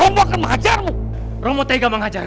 melihat orang lain